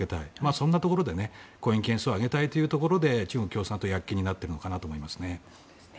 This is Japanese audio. そんなところで婚姻件数を上げたいとして中国共産党は躍起になっているんだと思います。